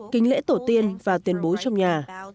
kính lễ tổ tiên và tuyên bối trong nhà